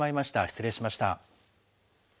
失礼しました。